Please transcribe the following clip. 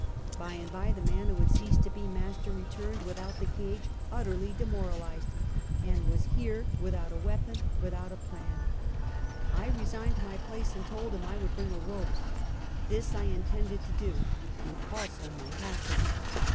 By and by, the man wdio had ceased to be master returned without the cage, utterly demoralized; and was here without a weapon, without a plan. I resigned my place and told him I would bring a rope. This I intended to do, and also my hatchet.